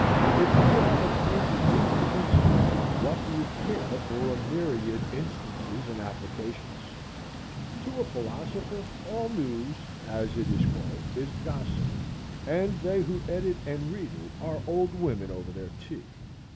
If you are acquainted with the principle, what do you care for a myriad instances and applications? To a philosopher all news, as it is called, is gossip, and they who edit and read it are old women over their tea.